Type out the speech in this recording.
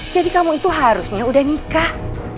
jadi kamu itu harusnya udah nikah